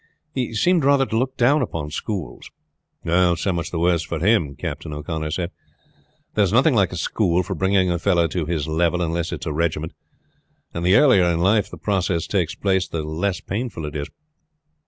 He seemed rather to look down upon schools." "So much the worse for him," Captain O'Connor said. "There is nothing like a school for bringing a fellow to his level, unless it is a regiment; and the earlier in life the process takes place the less painful it is."